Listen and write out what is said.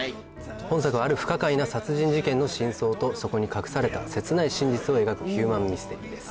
本作はある不可解な殺人事件の真相とそこに隠された切ない真実を描くヒューマンミステリーです